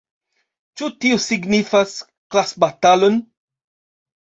Ĉu tio signifas klasbatalon?